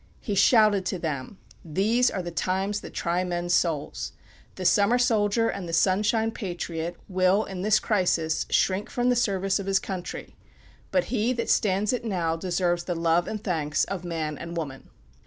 He shouted to them, "These are the times that try men's souls. The summer soldier, and the sunshine patriot, will, in this crisis, shrink from the service of his country; but he that stands it now deserves the love and thanks of man and woman."